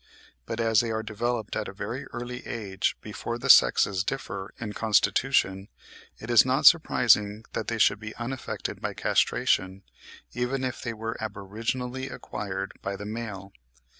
but as they are developed at a very early age, before the sexes differ in constitution, it is not surprising that they should be unaffected by castration, even if they were aboriginally acquired by the male.